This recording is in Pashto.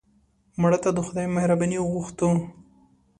مړه ته د خدای مهرباني غوښتو